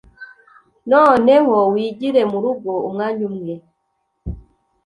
Noneho wigire murugo. Umwanya umwe